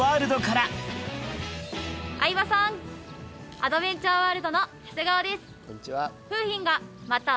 アドベンチャーワールドの長谷川です。